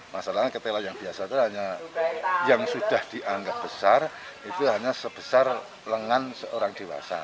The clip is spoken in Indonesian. masalahnya ketela yang biasa itu hanya yang sudah dianggap besar itu hanya sebesar lengan seorang dewasa